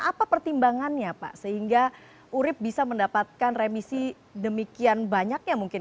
apa pertimbangannya pak sehingga urip bisa mendapatkan remisi demikian banyaknya mungkin